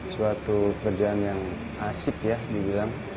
suatu kerjaan yang asik ya dibilang